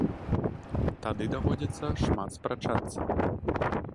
Тады даводзіцца шмат спрачацца.